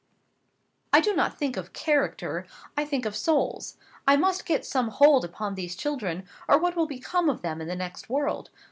"I do not think of character: I think of souls. I must get some hold upon these children, or what will become of them in the next world?